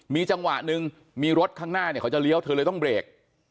มีจังหวะหนึ่งมีรถข้างหน้าเนี่ยเขาจะเลี้ยวเธอเลยต้องเบรก